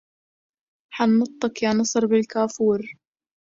حنطته يا نصر بالكافور